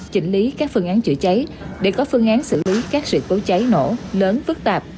chỉnh lý các phương án chữa cháy để có phương án xử lý các sự cố cháy nổ lớn phức tạp